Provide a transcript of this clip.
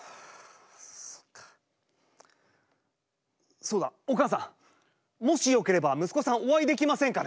そうだお母さんもしよければ息子さんお会いできませんかね？